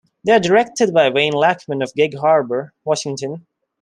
They are directed by Wayne Lackman of Gig Harbor, Washington.